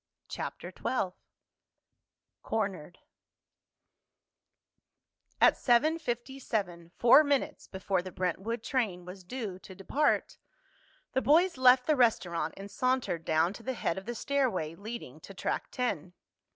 CHAPTER XII CORNERED At seven fifty seven, four minutes before the Brentwood train was due to depart, the boys left the restaurant and sauntered down to the head of the stairway leading to Track Ten.